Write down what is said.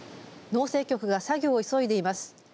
農政局が作業を急いでいます。